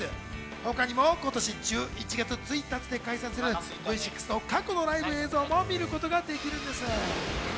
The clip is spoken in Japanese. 他にも今年１１月１日で解散するＶ６の過去のライブ映像も見ることができます。